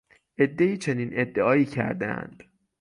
عدهای چنین ادعایی کردهاند